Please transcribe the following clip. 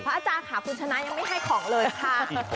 อาจารย์ค่ะคุณชนะยังไม่ให้ของเลยค่ะ